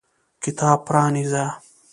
کتاب پرانیزه !